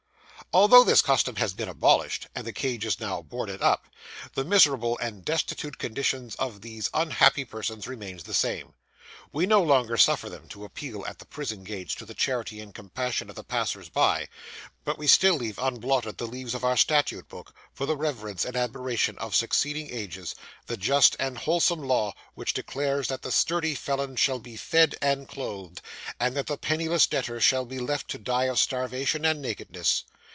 Although this custom has been abolished, and the cage is now boarded up, the miserable and destitute condition of these unhappy persons remains the same. We no longer suffer them to appeal at the prison gates to the charity and compassion of the passersby; but we still leave unblotted the leaves of our statute book, for the reverence and admiration of succeeding ages, the just and wholesome law which declares that the sturdy felon shall be fed and clothed, and that the penniless debtor shall be left to die of starvation and nakedness.